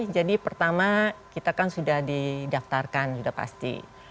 jadi pertama kita kan sudah didaftarkan sudah pasti